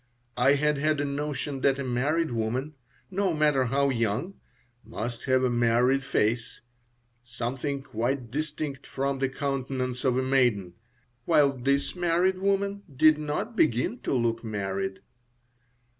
I had had a notion that a married woman, no matter how young, must have a married face, something quite distinct from the countenance of a maiden, while this married woman did not begin to look married.